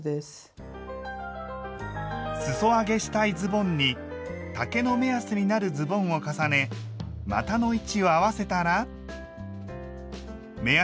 すそ上げしたいズボンに丈の目安になるズボンを重ね股の位置を合わせたら。